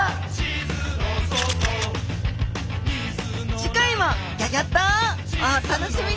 次回もギョギョッとお楽しみに！